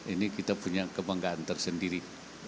ini kita punya kebanggaan tersendiri